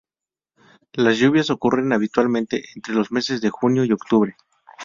Las lluvias ocurren habitualmente entre los meses de junio y octubre.